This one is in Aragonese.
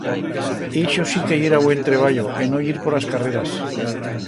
Ixo sí que yera buen treballo e no yir por as carreras!